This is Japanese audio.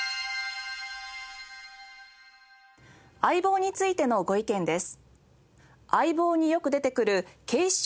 『相棒』についてのご意見です。